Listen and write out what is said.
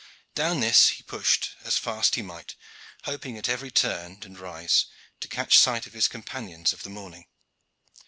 Down this he pushed as fast as he might, hoping at every turn and rise to catch sight of his companions of the morning.